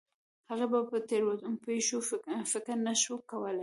هغې به په تېرو پېښو فکر نه شو کولی